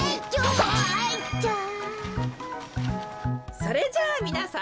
それじゃあみなさん